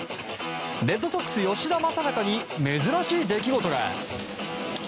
レッドソックス、吉田正尚に珍しい出来事が。